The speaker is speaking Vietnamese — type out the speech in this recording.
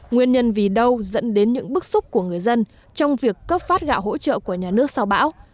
nguyên nhân vì đâu dẫn đến những bức xúc của người dân trong việc cấp phát gạo hỗ trợ của nhà nước sau bão